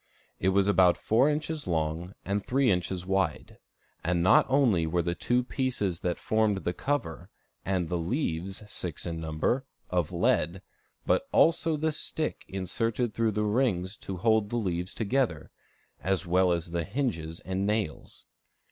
It was about four inches long and three inches wide; and not only were the two pieces that formed the cover, and the leaves, six in number, of lead, but also the stick inserted through the rings to hold the leaves together, as well as the hinges and nails.